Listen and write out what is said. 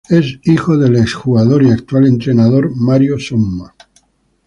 Es hijo del ex jugador y actual entrenador Mario Somma.